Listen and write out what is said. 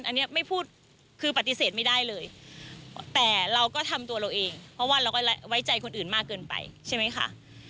อันนี้ไม่พูดคือปฏิเสธไม่ได้เลยแต่เราก็ทำตัวเราเองเพราะว่าเราก็ไว้ใจคนอื่นมากเกินไปใช่ไหมคะ